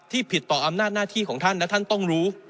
ผิดต่ออำนาจหน้าที่ของท่านและท่านต้องรู้